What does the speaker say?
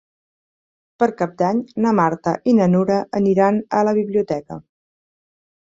Per Cap d'Any na Marta i na Nura aniran a la biblioteca.